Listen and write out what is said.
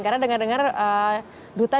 karena denger dengar duta